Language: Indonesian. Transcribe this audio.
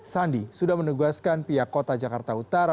sandi sudah menegaskan pihak kota jakarta utara